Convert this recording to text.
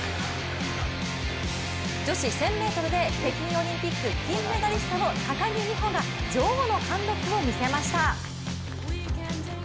女子１０００ｍで北京オリンピックで金メダリストの高木美帆が女王の貫禄を見せました。